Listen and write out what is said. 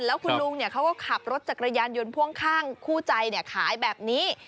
แล้วคุณลุงเขาก็ขับรถจักรยานยนต์พ่วงข้างคู่ใจขายแบบนี้